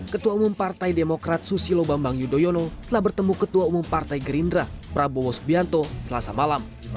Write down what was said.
ketua umum partai demokrat susilo bambang yudhoyono telah bertemu ketua umum partai gerindra prabowo subianto selasa malam